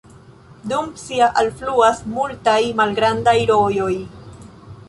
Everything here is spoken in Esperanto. Dum sia alfluas multaj malgrandaj rojoj.